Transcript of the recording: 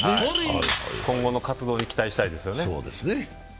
今後の活動に期待したいですよね。